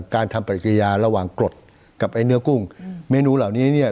การทำปฏิกิริยาระหว่างกรดกับไอ้เนื้อกุ้งเมนูเหล่านี้เนี่ย